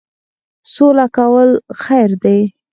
سوله کول خیر دی